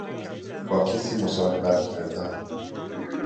با کسی مصاحبت کردن